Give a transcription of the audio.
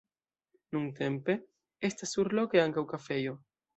Nuntempe estas surloke ankaŭ kafejo.